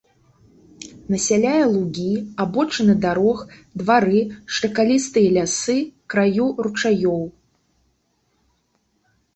Насяляе лугі, абочыны дарог, двары, шыракалістыя лясы, краю ручаёў.